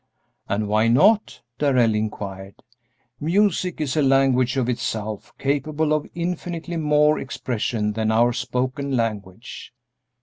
"And why not?" Darrell inquired. "Music is a language of itself, capable of infinitely more expression than our spoken language."